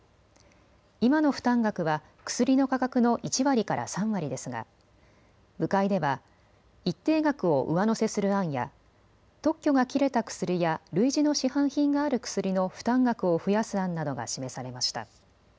今の負担額は薬の価格の１割から３割ですが部会では一定額を上乗せする案や特許が切れた薬や類似の市販品がある薬の負担額を増やす案などが示されました。